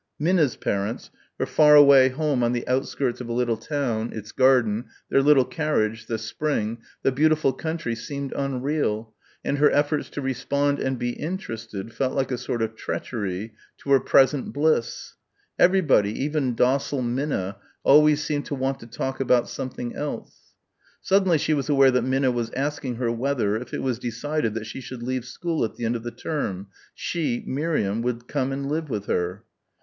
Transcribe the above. Minna's parents, her far away home on the outskirts of a little town, its garden, their little carriage, the spring, the beautiful country seemed unreal and her efforts to respond and be interested felt like a sort of treachery to her present bliss.... Everybody, even docile Minna, always seemed to want to talk about something else.... Suddenly she was aware that Minna was asking her whether, if it was decided that she should leave school at the end of the term, she, Miriam, would come and live with her.